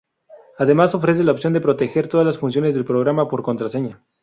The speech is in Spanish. Además ofrece la opción de proteger todas las funciones del programa por contraseña.